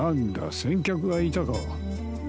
先客がいたか。